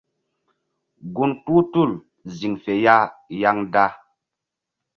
Gun kpuh tul ziŋ fe ya yaŋda.